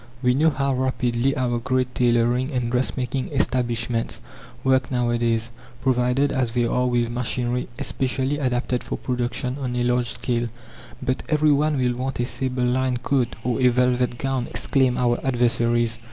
We know how rapidly our great tailoring and dressmaking establishments work nowadays, provided as they are with machinery specially adapted for production on a large scale. "But every one will want a sable lined coat or a velvet gown!" exclaim our adversaries.